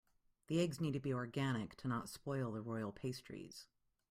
The eggs need to be organic to not spoil the royal pastries.